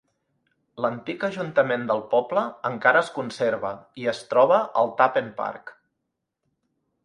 L'antic ajuntament del poble encara es conserva, i es troba al Tappen Park.